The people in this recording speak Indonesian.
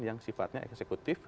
yang sifatnya eksekutif